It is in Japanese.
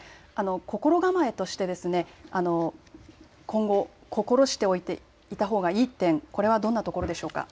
心構えとして今後、心しておいたほうがいい点、これはどんなところでしょうか。